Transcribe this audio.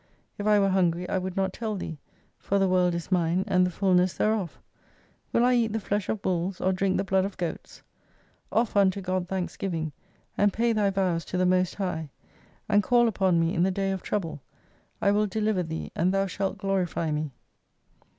If I were hungry I would not tell thee; for the World is mine, and the fulness thereof. Will I eat the flesh of bulls or drink the blood of goats ? Offer unto God thanksgiving, and pay thy vows to the Most High. And call upon me in the day of trouble ; I will deliver thee, and thou shall glorify me.